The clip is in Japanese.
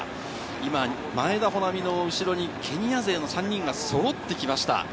今、前田穂南の後ろに、ケニア勢の３人がそろってきました。